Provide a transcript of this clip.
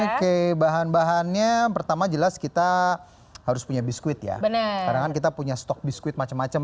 oke bahan bahannya pertama jelas kita harus punya biskuit ya beneran kita punya stok biskuit macem macem